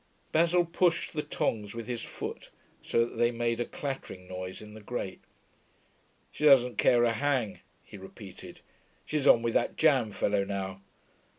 Basil pushed the tongs with his foot, so that they made a clattering noise in the grate. 'She doesn't care a hang,' he repeated. 'She's on with that jam fellow now.